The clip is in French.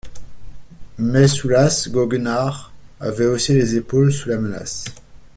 Mais Soulas, goguenard, avait haussé les épaules sous la menace.